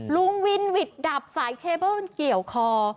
ลุงวินหวิดดับสายเคเบิ้ลมันเกี่ยวคอ